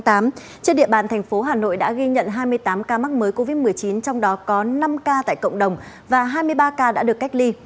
trên địa bàn thành phố hà nội đã ghi nhận hai mươi tám ca mắc mới covid một mươi chín trong đó có năm ca tại cộng đồng và hai mươi ba ca đã được cách ly